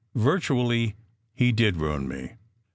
Virtually, he did ruin me.